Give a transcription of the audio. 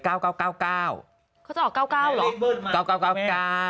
เขาจะออก๙๙๙เหรอ๙๙๙๙